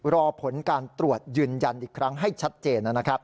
รอผลการตรวจยืนยันอีกครั้งให้ชัดเจนนะครับ